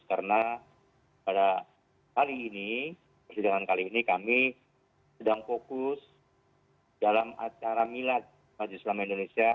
karena pada sidang kali ini kami sedang fokus dalam acara milad majelis selama indonesia